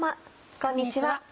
こんにちは。